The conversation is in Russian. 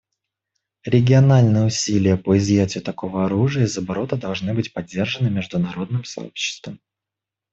Региональные усилия по изъятию такого оружия из оборота должны быть поддержаны международным сообществом.